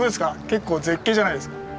結構絶景じゃないですか。